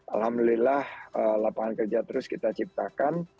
alhamdulillah lapangan kerja terus kita ciptakan